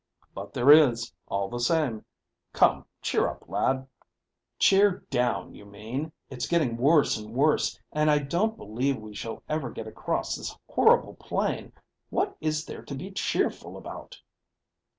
"But there is, all the same. Come, cheer up, lad." "Cheer down, you mean. It's getting worse and worse, and I don't believe we shall ever get across this horrible plain. What is there to be cheerful about?"